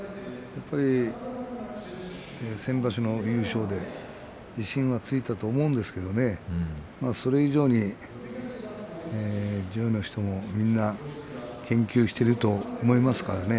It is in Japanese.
やっぱり先場所の優勝で自信がついたと思うんですけれどもそれ以上に上位の人も研究していると思いますからね。